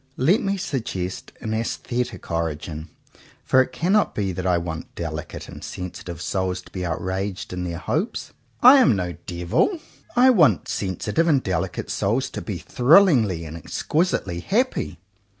Let me suggest an aesthetic origin; for it cannot be that I want delicate and sensitive souls to be outraged in their hopes. I am no devil. I want sensitive and delicate souls to be thrillingly and ex quisitely happy.